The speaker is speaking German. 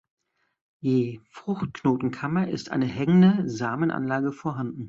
Je Fruchtknotenkammer ist eine hängende Samenanlage vorhanden.